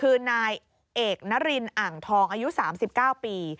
แล้วก็มันมีเรื่องกันที่อยู่ในคลิป